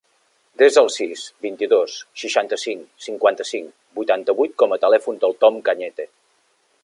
Desa el sis, vint-i-dos, seixanta-cinc, cinquanta-cinc, vuitanta-vuit com a telèfon del Tom Cañete.